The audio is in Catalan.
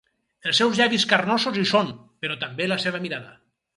Els seus llavis carnosos hi són, però també la seva mirada.